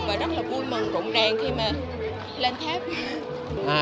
và rất là vui mừng rụng ràng khi mà lên tháp